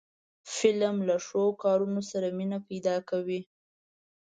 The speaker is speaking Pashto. فلم له ښو کارونو سره مینه پیدا کوي